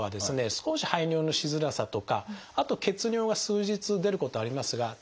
少し排尿のしづらさとかあと血尿が数日出ることはありますが大抵はすぐ治まります。